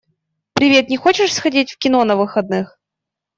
Привет, не хочешь сходить в кино на выходных?